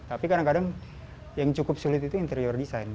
tapi kadang kadang yang cukup sulit itu interior design